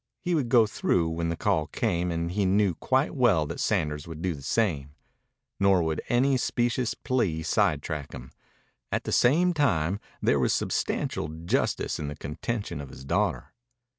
He would go through when the call came, and he knew quite well that Sanders would do the same. Nor would any specious plea sidetrack him. At the same time there was substantial justice in the contention of his daughter.